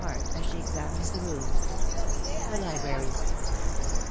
HEART AS CHI EXAMINES ZHE ROOM. — THE .LIBRARY.